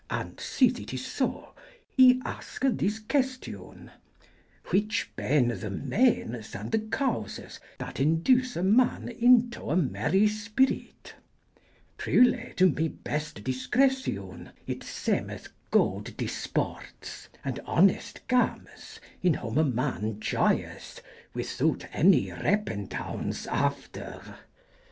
And syth it is soo: I aske this questyon, whiche ben the meanes and the causes that enduce a man in to a mery spyryte: Truly to my beste dyscrecon it seemeth good dysportes and honest gamys in whom a man Joyeth without any repentaunce after.